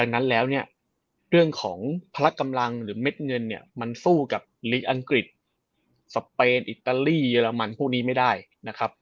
ดังนั้นแล้วเนี่ยเรื่องของพลักกำลังหรือเม็ดเงินเนี่ยมันสู้กับลีอังกฤษสเปนอิตาลีเยอรมันพวกนี้ไม่ได้นะครับ